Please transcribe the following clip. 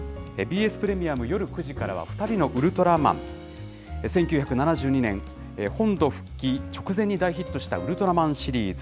ＢＳプレミアム夜９時からは、ふたりのウルトラマン、１９７２年、本土復帰直前に大ヒットしたウルトラマンシリーズ。